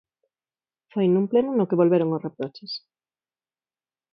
Foi nun pleno no que volveron os reproches.